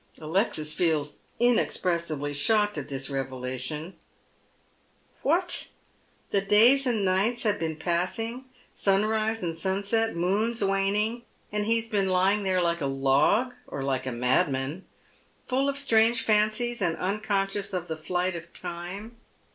Alexis feels inexpressibly shocked at this revelation. What 1 the days and nights have been passing, sunrise and sunset, moons waning, and he has been lying there like a log, or like a madman, full of strange fancies, and unconscious of the flight of time.